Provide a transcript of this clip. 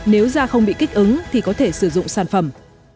nếu da không bị kích ứng thì có thể sử dụng sản phẩm